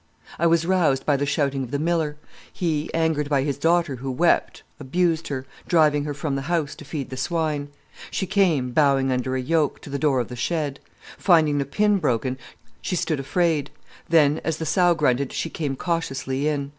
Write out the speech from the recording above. "I was roused by the shouting of the miller. He, angered by his daughter who wept, abused her, driving her from the house to feed the swine. She came, bowing under a yoke, to the door of the shed. Finding the pin broken she stood afraid, then, as the sow grunted, she came cautiously in.